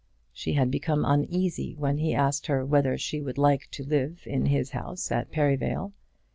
She had become uneasy when he asked her whether she would like to live in his house at Perivale.